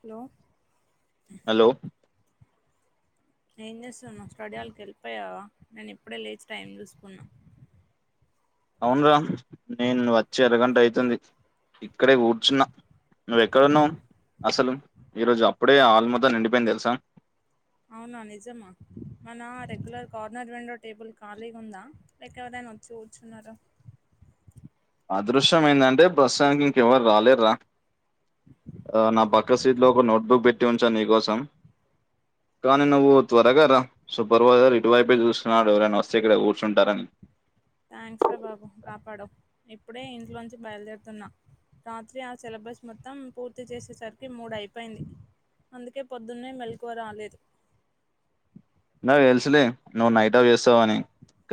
Hello hello ఏం చేస్తున్నావ్ study hall కి వెళ్లి పోయ్యావా నేను ఇప్పుడే లేచి టైం చూసుకున్నాను అవున రా నేను వచ్చి అరగంట అయితంది ఇక్కడే కూర్చున్నా నువ్వ ఎక్కడున్నావు అసలు ఈరోజు అప్పుడే హాల్ మొత్తం నిండిపోయింది తెలుసా అవునా నిజమా మనా రెగ్యులర్ రెండో టేబుల్ ఖాళీగా ఉందా లేక ఎవరైనా వచ్చి కూర్చున్నారో అదృష్ట్యం ఏందంటే ప్రస్తుతానికి ఇంకెవరు రాలేరు రా నా పక్క సీట్లో ఒక నోట్బుక్ పెట్టి ఉంచాను నీకోసం కానీ నువ్వు త్వరగా రా సూపర్వైజర్ ఇటువైపే చూస్తున్నాడు ఎవరైనా వస్తే ఇక్కడ కూర్చుంటారని థ్యాంక్స్ రా బాబు కాపాడావ్ ఇప్పుడే ఇంట్లో నుంచి బయలుదేరుతున్నా రాత్రి ఆ సిలబస్ మొత్తం పూర్తి చేసేసరికి మూడయిపోయింది అందుకే పొద్దున్నే మెలుకువ రాలేదు నాకు తెలుసులే నువ్వు నైట్ ఔట్ చేస్తావని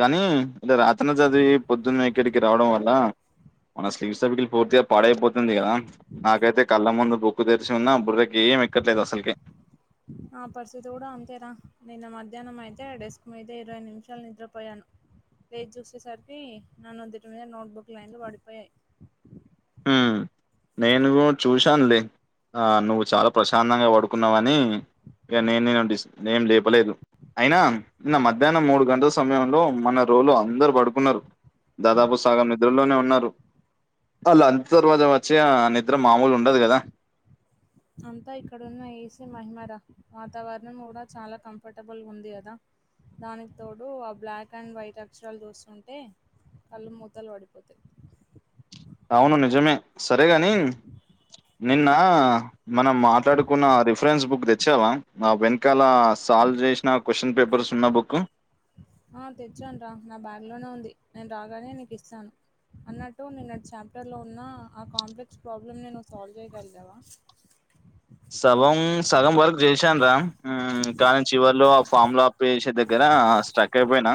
కానీ వీళ్లు రాత్రనే చదివి పొద్దున్నే ఇక్కడికి రావడం వల్ల మన స్లీవ్ సర్కిల్ పూర్తిగా పాడైపోతుంది కదా నాకైతే కళ్ళ ముందు బుక్కు తెరిచి ఉన్న బుర్ర కి ఏమ్ ఎక్కట్లేదు అసలకి నా పరిస్థితి కూడా అంతేరా నిన్న మధ్యాహ్నం అయితే డెస్క్ మీదే ఇరవై నిమిషాలు నిద్రపోయాను లేచి చూసేసరికి నా నుదుటి మీద నోట్బుక్ లన్ని పడిపోయాయి ఉం నేను కూడ చూశాను లే ఆ నువ్వు చాలా ప్రశాంతంగా పడుకున్నావని ఇగ నేను నేను డిస్ నేం లేపలేదు అయినా నిన్న మధ్యాహ్నం మూడు గంటల సమయంలో మన రూమ్ లో అందరు పడుకున్నారు దాదాపు సగం నిద్రలోనే ఉన్నారు ఆ లంచ్ అంత తర్వాత వచ్చే ఆ నిద్ర మామూలు ఉండదు కదా అంతా ఇక్కడున్న ఏసీ మహిమ రా వాతావరణం కూడా చాలా కంఫర్టబుల్ గా ఉంది కదా దానికి తోడు ఆ బ్లాక్ అండ్ వైట్ అక్షరాలు చూస్తుంటే కళ్ళు మూతలు పడతాయి అవును నిజమే సరేగాని నిన్న మనం మాట్లాడుకున్న రిఫరెన్స్ బుక్ తెచ్చావా ఆ వెనకాల సాల్వ్ చేసిన క్వశ్చన్ పేపర్స్ ఉన్న బుక్ ఆ తెచ్చను రా నా బ్యాగ్ లోనే ఉంది నేను రాగానే నీకు ఇస్తాను అన్నట్టు నేన్నటి చాప్టర్ లో ఉన్న ఆ కాంప్లెక్స్ ప్రాబ్లమ్ ని నువ్ సాల్వ్ చేయ్యగలీగవా సగం సగం వరకు చేశాను రా మ్ కానీ చివర్లో ఆ ఫార్మ్ ల ఆప్లే చేసే దగ్గర ఆ స్టక్ అయిపోయినా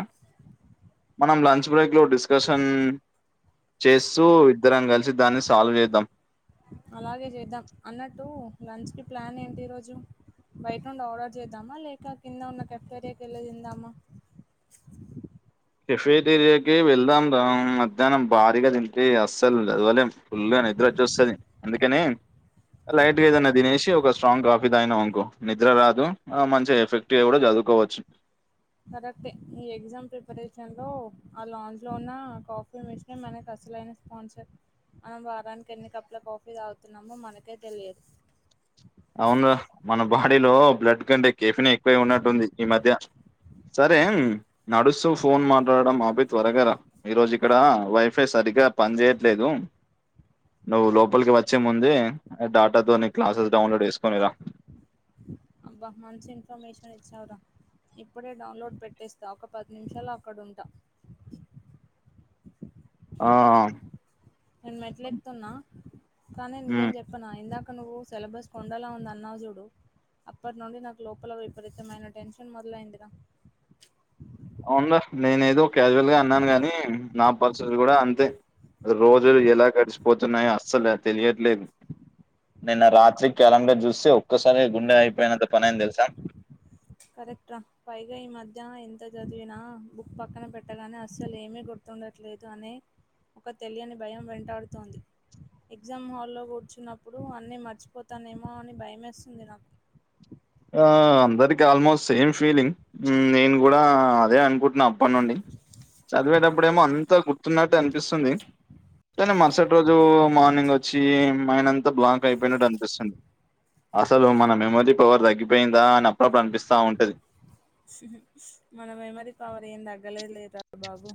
మనం లంచ్ బ్రేక్ లో డిస్కషన్ చేస్తూ ఇద్దరం కలిసి దాన్ని సాల్వ్ చేద్దాం అలాగే చేద్దాం అన్నట్టు లంచ్ కి ప్లాన్ ఏంటి ఈరోోజు బయట నుండి ఆర్డర్ చేద్దామా లేక కింద ఉన్న కఫేరియాకి వెళ్ళి తిందామా కేఫేటేరియాకే వెళ్దాం రాము మధ్యాహ్నం భారీగా తింటే అస్సలు లేవలేం ఫుల్గా ని వచ్చేస్తది అందుకనే లైట్గా ఏదన్నా తినేసి ఒక స్ట్రాంగ్ కాఫీ తాగినం అనుకో నిద్ర రాదు మంచిగా ఎఫెక్ట్ గా కూడా కద్ చదువుకోవచ్చు కరెక్ట్ ఈ ఎగ్జామ్ ప్రిపరేషన్ లో ఆ లాంచ్ లో ఉన్న కాఫీ మిషనే మన [unintelligible] అసలైన స్పన్సర్ మనం వారానికి ఎన్ని కప్ల కాఫీ తాగుతున్నామో మనకే తెలియదు అవును మన బాడీలో బ్లడ్ కంటే కేఫినే ఎక్కువ ఉన్నట్టుంది ఈ మధ్య సరే నడుస్తూ ఫోన్ మాట్లాడడం అపి త్వరగా రా ఈ రోజు ఇక్కడ వైఫై సర్ రిగా పని చేయట్లేదు నువ్వు లోపలికిి వచ్చే ముందే డాటాతోని క్లాసెస్ డౌన్లోడ్ చేసుకొని ర అబ్బా మంచి ఇన్ఫర్మేషన్ ఇచ్చావ్ రా ఇప్పుడే డౌన్లోడ్ పెట్టేస్తా ఒక పది నిమిషాళ్ళో అక్కడుంటా ఆ నేను మెట్లెక్తుతున్నా కానీ నిజం హ్మ్ చెప్పనా ఇందాక నువ్ సేలబస్ కొండలా ఉంది అన్నావ్ జుడు అప్పటి నుండి నాకు లోపల విపరీతమైన టెన్షన్ మొదలైంది రా అవున్రా నేనే ఏదో క్యాజువల్ గా అన్నాను గాని నా పరిస్థితి కూడా అంతే రోజులు ఎలా గడిచిపోతున్నాయో అస్సలు తెలియట్లేదు నిన్న రాత్రి క్యాలెండర్ చూస్తె ఒక్కసారే గుండె అయిపోయినంత పని ఆఇంది తెలుసా కరెక్ట్ రా పైగా ఈ మధ్య ఎంత చదివినా బుక్ పక్కన పెట్టగానే అస్సలు ఏమీ గుర్తు ండట్లేదు అనే ఒక తెలియని భయం వెంటాడుతోంది ఎగ్జామ్ హాల్లో కూర్చున్నప్పుడు అన్నీ మర్చిపోతానేమో అని భయమేస్తుంది నాకు అందరికి ఆల్మోస్ట్ సేమ్ ఫీలింగ్ మ్ నేను కూడా అదే అనుకుంటున్నా ప్ప నుండి చదివేటప్పుడు ఏమో అంత గుర్తున్నాట్ టనిపిస్తుంది కానీ మరుసటి రోజు మార్నింగ్ వచ్చి మైండ్ అంత బ్లాక్ అయిపోయినట్టు అనిపిస్తుంది అసలు మన మెమరీ పవర్ తగ్గిపోయిందా అని అప్పుడప్పుడు అనిపిస్తా ఉంటది మన మెమరీ పవర్ ఏం తగ్గలే లేరా బాబు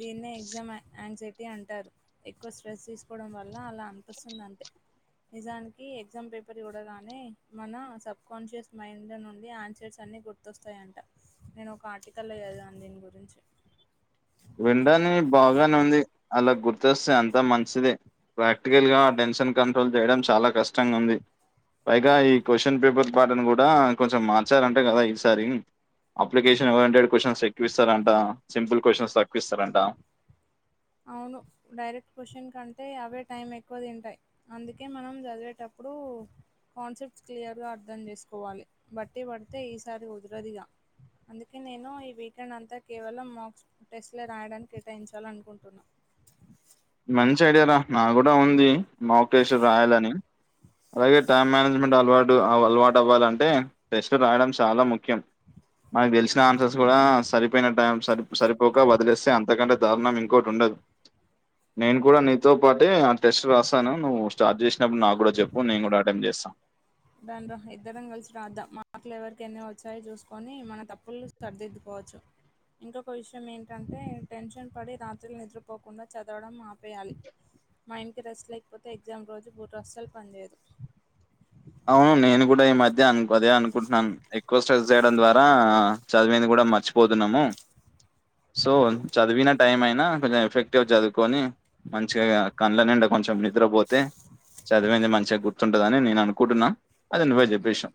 దీన్నే ఎగ్జామ్ ఆ అన్ అగ్సైటీ అంటారు ఎక్కువ స్ట్రెస్ తీసుకోవడం వల్ల అలా అనిపిస్తుంది అంతె నిజానికి ఎగ్జామ్ పేపర్ చుడగానే మన సబ్ కాన్షియస్ మైండ్ నుండి ఆన్సర్స్ అన్ని గుర్తొస్తుయ్ అంట నిను ఒక ఆర్టికల్ ళ్ళో చదివాను దీని గురించి విండని బాగానే ఉంది అలా గుర్తొస్తే అంత మంచిది ప్రాక్టికల్ గా ఆ టెన్షన్ కంట్రోల్ చేయడం చాలా కష్టంగా ఉంది పైగా ఈ క్వ్చన్ పేపర్ పాటను కూడా కొంచెం మార్చారంటే కదా ఈసారి అప్లికేషన్ ఓరింటెడ్ క్వశ్చన్స్ ఎక్కువ ఇస్తారంట సింపుల్ క్వశ్చన్స్ తక్కువ ఇస్తారంట అవును డైరెక్ట్ క్వశ్చన్ కంటే అవే టైం ఎక్కువ తింటాయి అందుకే మనం చదివేటప్ ప్పుడు కాన్సెప్ట్ క్లియర్ గా అర్థం చేసుకోవాలి బట్టి పడితే ఈసారి కుదరదిగా అందుకే నేను ఈ వీకెండ్ అంతా కేవలం మాక్స్ టెస్ట్లె రాయడానికి కేటాయించాల అనుకుంట్ న్నా మంచి ఐడియర నా కూడా ఉంది మోక్ టెస్ట్ రాయాలని అలాగే టైం మేనేజ్మెంట్ అలవాటు అలవాటు అవ్వాలంటే టెస్టు రాయడం చాలా ముఖ్యం మనకు తెలిసిన ఆన్సర్స్ కూడా సరిపోయిన టైం సరి సర్ సరిపోక వదిలేస్తే అంతకంటే దారుణం ఇంకోకటి ఉండదు నేను కూడా నీతో పాటే ఆ టెస్ట్ రాస్థాను నువ్వు స్టార్ట్ చేసినప్పుడు నాక్ కూడా చెప్పు నేను కూడా అటెండ్ చేస్తాను రాద్దాం ఇద్దరం కలిసి రా అద్దాం మాటలు ఎవరు ఎమ్ ఎమ్ వచ్చాయి చూసుకొని మనం తప్పుల్ని సరిదిద్దుకోవచ్చు ఇంకొక విషయం ఏంటంటే టెన్షన్ పడి రాత్రులు నిద్రపోకుండా చదవడం ఆపేయాలి మైండ్ కి రెస్ట్ లేకపోతే ఎగ్జామ్ రోజు బుర్ర అస్సలు పనిచేయదు అవును నేను కూడా ఈ మధ్య అను అదే అనుకుంటున్నాను ఎక్కువ స్ట్రెస్ చేయడం ద్వారా చదివింది కూడా మ మర్చిపోతున్నము సో చదివిన టైం అయినా కొంచెం ఎఫెక్టివ్ చదువుకొని మంచిగా కళ్ల నిండ కొంచెం నిద్రపోతే చదివంది మంచిగా గుర్తుంటదని నేను అనుకుంటున్నా అది నువ్వే చెప్పేసినావ్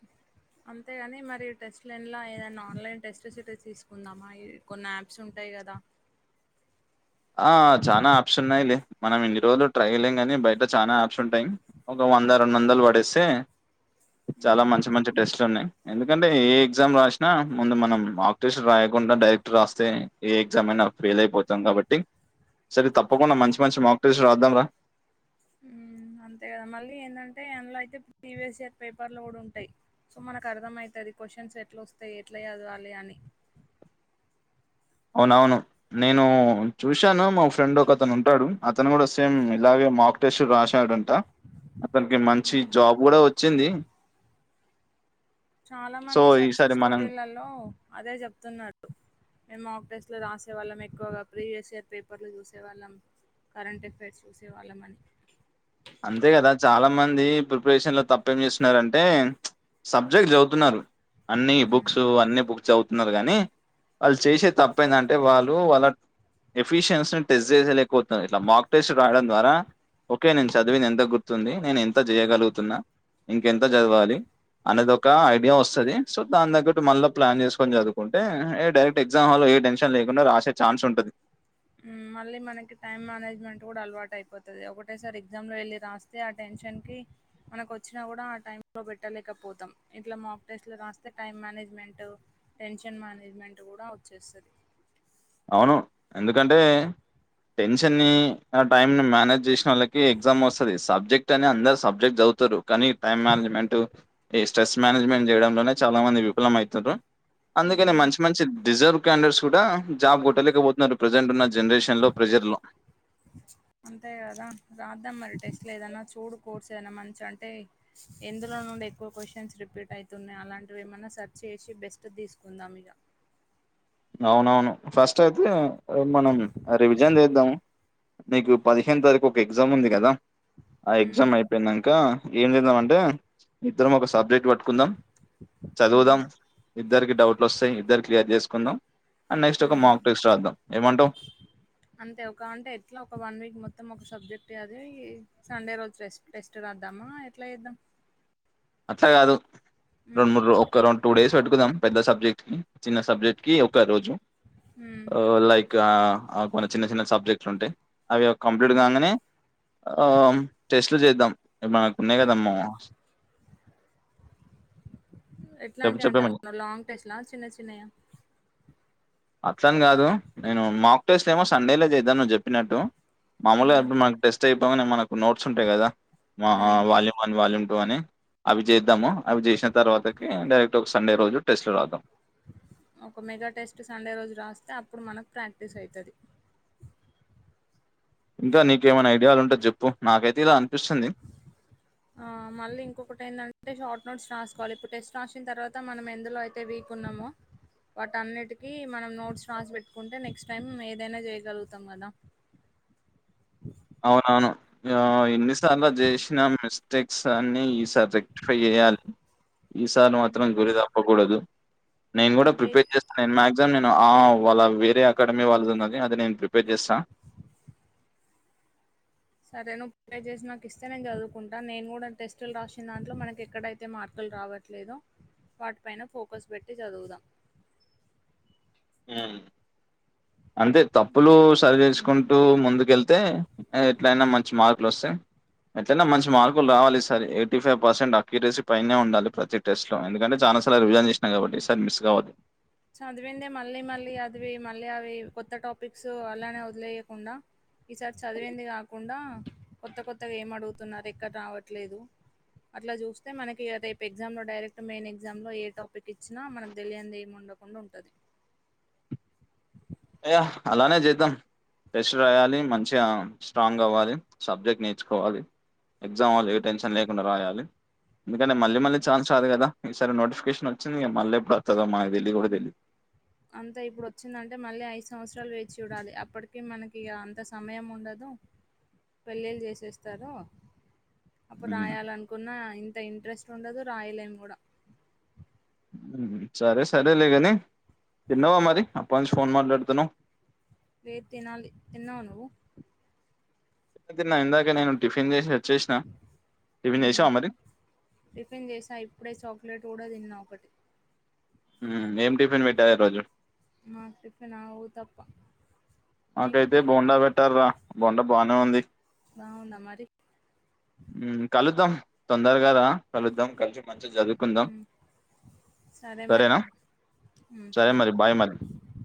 అంతేగాని మరి టెస్ట్ లో ఏదైనా ఆన్లైన్ టెస్ట్ తీసుకుందామా ఇవి కొన్ని యాప్స్ ఉంటాయి కదా ఆ చానా ఆప్షన్ ఉన్నాయి లె మనం ఇన్ని రోజులు ట్రైలేం కాని బయట చానా ఆప్స్ ఉంటాయి వంద రెండు వందలు పడేస్తే చాలా ఉమ్ మంచి మంచి టెస్ట్లు ఉన్నాయి ఎందుకంటే ఏ ఎగ్జామ్ రాసినా ముందు మనం ఆక్టీషన్ రాయకుండా డైరెక్ట్ రాస్తే ఏ ఎగ్జామ్ అయినా ఫెయిల్ అయిపోతాం కాబట్టి సరే తప్పకుండా మంచి మంచి మార్కటీస్ రాద్దాం రా ఉ అంతే కదా మళ్ళీ ఏంటంటే ఎందులో అయితే ప్రీవియస్ ఇయర్ పేపర్ లో కూడా ఉంటాయి సో మనకు అర్థమవుతది కోషన్స్ ఎట్లా వస్తాయి ఎట్లా చదవాలి అని అవునవును నేను చూశాను మా ఫ్రెండ్ ఒక అతను ఉంటాడు అతను కూడా సేమ్ ఇలాగే మక్టేశ్వర్ రాసాడంట అతనికి మంచి ఉమ్ జాబ్ కూడా వచ్చింది చాలా సో మంది సక్సెస్ ఈసారి మనం స్టోరీలలో అదే చెప్తున్నాడు మేము టెస్ట్లు రాసేవాళ్ళం ఎక్కువగా ప్రీవియస్ ఇయర్ పేపర్లు చూసేవాళ్ళం కరెంట్ ఎఫైర్స్ చూసేవాళ్ళమని అంతే కదా చాలా మంది ప్రిపరేషన్ లో తప్పేం చేస్తున్నారంటే సబ్జెక్ట్ చదువుతున్నారు అన్ని ఉమ్ బుక్స్ అన్ని బుక్స్ చదువు న్నారు గానీ వాళ్ళు చేసే తప్ప ఏంటంటే వాళ్ళు వాళ్ళ ఎఫిషియన్సీని టెస్ట్ చేసేలేకపోతుంది ఇట్లా మాక్ టెస్ట్ రావడం ద్వారా ఓకే నుంచి చదివింది ఎంత గుర్తుంది నేను ఎంత చేయగలుగుతున్నా ఇంకెంత చదవాలి అనేది ఒక ఐడియా వస్తుంది సో దాని తగ్గట్టు మళ్ళీ ప్లాన్ చేసుకొని చదువుకుంటే ఏ డైరెక్ట్ ఎగ్జామ్ హల్ ఏ టెన్షన్ లేకుండా రాసే ఛాన్స్ ఉంటది మళ్ళీ మనకి టైం మేనేజ్మెంట్ కూడా అలవాటు అయిపోతుది ఒకటేసారి ఎగ్జామ్ లో వెళ్లి రాస్తే ఆ టెన్ టైం కి మనకి వచ్చినా కూడా ఆ టై లో పెట్టలేకపోతాం ఇట్లా మాక్ టెస్ట్ లో రాస్తే టైం మే మేనేజ్మెంట్ టెన్షన్ మేనేజ్మెంట్ కూడ వచ్చేస్తుంది అవును ఎందుకంటే టెన్షన్ని ని టైమ్ ని మేనేజ్ చేసిన వాళ్లకి ఎగ్జామ్ వస్తది సబ్జెక్ట్ అని అందరు సబ్జెక్ట్ చ పోతారు కానీ టైమ్ మేనేజ్మెంట్ ఈ స్ట్రెస్ మేనేజ్మెంట్ చేయడంలోనే చాల మంది విఫలం అయీతారు అందుకనే హ్మ్. మంచి మంచి రడిజర్వ్ క్యాండర్స్ కూడ జాబ్ కొట్టలేకపోతున్నారు ప్రెజెంట్ ఉన్న జనరేషన్ లో ప్రెజర్ లో అంతే కదా రాద్దాం మరి టెస్ట్ లో ఏదన్నా చూడు కోర్స్ ఏన మంచి అంటే ఎందులో నుండి ఎక్కువ క్వశ్చన్స్ రిపీట్ అయితున్నాయి అలాంటివి ఏమైన్నా సర్చ్ చేసి బెస్ట్ తీసుకుందాం ఇగ అవునవును ఫస్ట్ అయితే మనం రివిజన్ చేద్దాం నీకు పదిహేను తారీఖు ఒక ఎగ్జామ్ ఉంది కద ఆ హ్మ్. ఎగ్జామ్ అయిపోయినాంక ఏం చేద్దాం అంటే ఇద్దరం ఒక సబ్జెక్ట్ పట్టుకుందాం చదువుదాం హ్మ్. ఇద్దరికి డౌట్లు వస్తాయి ఇద్దరు క్లియర్ చేసుకుందాం అండ్ నెక్స్ట్ ఒక హ్మ్. మాక్ టెక్స్ట్ రద్ధం ఏమంటావు అంతే ఒక అంటే ఎట్ల ఒక వన్ వీక్ మొత్తం ఒక సబ్జె అది సండే రోజు టెస్ట్ టెస్ట్ రాద్దామ ఎట్ల చేద్దాం అట్ల కాదు రెండు ఉమ్ మూడు ఒక రెండు టూ డేస్ పెట్టుకుదాం పెద్ద సబ్ [unintelligible] చిన్న సబ్జెక్ట్ కి ఒక రోజు ఉమ్ లైక్ కొన్ని చిన్న చిన్న సబ్జెక్ట్లు ఉంటాయి అవి కంప్లీట్ ఉమ్ కాగానే ఆ టెస్ట్లు చేద్దాం [unintelligible] మనకు ఉన్నాయి కదమ్మ చెప్పు ఎట్లాంటి చెప్పేమని అంటాన్నా లాంగ్ టెస్ట్ లా చిన్న చిన్నయా అట్లాని కాదు నేను మాక్ టస్లేమో సండేలే చేద్దాం నువ్వు చెప్పినట్టు మామూలుగా ఉమ్ [unintelligible] మనకు టెస్ట్ అయిపోగానే మనకు నోట్స్ ఉంటాయి కదా ఉమ్ వాల్యూమ్ వన్ వాల్యూమ్ అని అవి చేద్దాము అవి చేసిన తర్వాతకి డైరెక్ట్ ఒక సండే రోజు టెస్ట్ రద్ధం ఒక మెగ టెస్ట్ సండే రోజు రాస్తే అప్పుడు మనకు ప్రాక్టీస్ అయితది ఇంకా నీకమైన ఐడియాలు ఉంటే చెప్పు నాకైతే ఇల ఆ మళ్ళీ ఇంకొకటి ఎందంటే షార్ట్ నోట్స్ రాసుకోవాలి ఇప్పుడు టెస్ట్ రాసిన తర్వాత మనం ఎందులో అయితే వీక్ ఉన్నామో వాటి అన్నిటికీ మనం నోట్స్ రాసి పెట్టుకుంటే నెక్స్ట్ టైం ఏదైన చేయగలుగుతాం కదా అవునవును ఇన్ని సార్లు జేసిన [unintelligible] మిస్టేక్స్ అన్ని ఈ సారి రెక్టిఫై చెయాలి ఈసారి ఉమ్, మాత్రం గురి తప్పకూడదు నేను కూడా అంతే ప్రిపేర్ చేస్తాను [unintelligible] నేను వాళ్ళ వేరే అకాడమీ వాళ్ళది ఉన్నది అది నేను ప్రిపేర్ చేస్త సరే నువ్వు ప్రిపేర్ చేసి నాకు ఇస్తే నేను చదువుకుంటాను నేను కూడ టెస్టులు రాసిన దాంట్లో మనకి ఎక్కడైతే మర్కులు రావట్లేదో వాటి పైన ఫోకస్ పెట్టి చదువుతం అంటే తప్పులు సరిచేస్ కుంటూ ముందుకెళ్తే ఎట్లయినా మంచి మార్కులు వస్తయ్ ఎట్లయిన మంచి మార్కులు రావాలిఈ సారి ఎయిటీ ఫైవ్ పర్సెంట్ అక్యూరేసీ పైనే ఉండాలి ప్రతి టెస్ట్ లో ఎందుకంటే చాల రివిజన్ చేసిన కాబట్టి సార్ మిస్ కావదు చదివిందే మళ్ళీ మళ్ళీ చదివి మళ్ళీ అవి కొత్త టాపిక్స్ అలానే వదిలేయకుండ ఈసారి చదివింది కాకుండా కొత్త కొత్తగా ఏం అడుగుతున్నారు ఎక్కడ రావట్లేదు అట్ల చూస్తే మనకి రేపు ఎగ్జామ్ లో డైరెక్ట్ మెయిన్ ఎగ్జామ్ లో ఏ టాపిక్ ఇచ్చినా మనకు తెలియదు ఏము ఉండవ్ [unintelligible] ఉంటది య అలానే చేద్దాం టెస్ట్ రాయాలి మంచిగా స్ట్రాంగ్ అవ్వాలి సబ్జెక్ట్ నేర్చుకోవాలి ఎగ్జామ్ హాల్లో ఏ టెన్షన్ లేకుండా రాయాలి ఎందుకంటే మళ్ళీ మళ్ళీ ఛాన్స్ రాదు కదా ఈ సారి నోటిఫికేషన్ వచ్చింది గా మళ్ళీ ఎప్పుడు వత్తదొ మా అంతా ఇప్పుడు వచ్చిందంటే మళ్ళీ ఐదు సంవత్సరాలు వేచి చూడాలి అప్పుడు అప్పటికి మనకి ఇగ అంత సమయం వుండదు పెళ్లే చేసేస్తారు అప్పుడు ఉమ్, రాయాల అనుకున్న ఇంత ఇంట్రెస్ట్ ఉండదు రాయలేం కూడా సరే సరే లేగాని తిన్నావా మరి అప్పటి నుంచి ఫోన్ మాట్లాడుతున్నావ్ లేదు తినాలి తిన్నవా నువ్వు తిన్న ఇందాకే నేను టిఫిన్ చేసే ఉం టిఫిన్ చేసా ఇప్పుడే చాక్లెట్ కూడా తిన్నా ఒకటి ఉం ఏమ్ ఆ టిఫెన్ ఆ ఉతప్పా నాకైతే బొండా పెట్టార్రా బొండా బానే ఉంది బాగుందా మరి ఉం కలుద్దాం వుంటారు గద కలుద్దాం కలిసి మంచిగా చదువుకుందాం మ్మ్ సరే మరి సరేనా ఉం సరే మరి బాయ్ మరి బాయ్